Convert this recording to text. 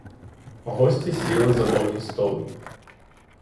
Гості сіли за довгі столи.